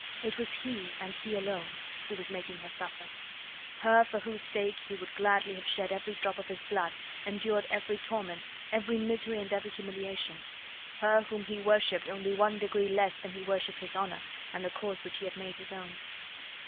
It was he and he alone who was making her suffer; her for whose sake he would gladly have shed every drop of his blood, endured every torment, every misery and every humiliation; her whom he worshipped only one degree less than he worshipped his honour and the cause which he had made his own.